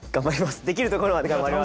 できるところまで頑張ります。